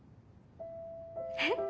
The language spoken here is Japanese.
えっ？